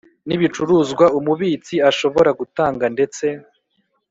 n ibicuruzwa Umubitsi ashobora gutanga ndetse